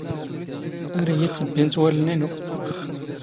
ⴰⵔ ⵉⵢⵉ ⵜⵜⴱⴱⵉⵏⵜ ⵡⴰⵍⵍⵏ ⵉⵏⵓ.